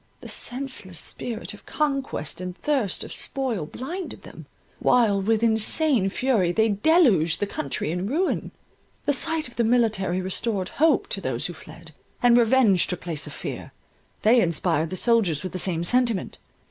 The senseless spirit of conquest and thirst of spoil blinded them, while with insane fury they deluged the country in ruin. The sight of the military restored hope to those who fled, and revenge took place of fear. They inspired the soldiers with the same sentiment.